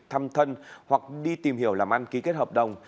thăm thân hoặc đi tìm hiểu làm ăn ký kết hợp đồng